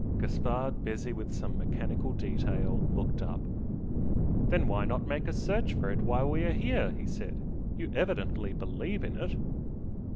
Gaspard, busy with some mechanical detail, looked up. "Then why not make a search for it while we are here?" he said "You evidently believe in it!"